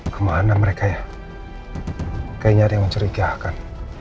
kemana mereka ya kayaknya ada yang mencurigakan